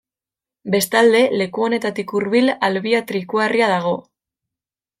Bestalde, leku honetatik hurbil Albia trikuharria dago.